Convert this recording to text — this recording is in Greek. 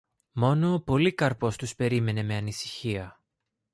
Μόνος ο Πολύκαρπος τους περίμενε με ανησυχία